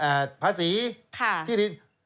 แต่มีการจ่ายภาษีที่ดิน